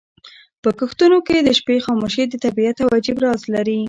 په کښتونو کې د شپې خاموشي د طبیعت یو عجیب راز لري.